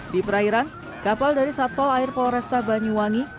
di perairan kapal dari satpol air polresta banyuwangi